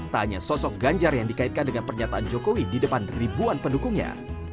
tak hanya sosok ganjar yang dikaitkan dengan pernyataan jokowi di depan ribuan pendukungnya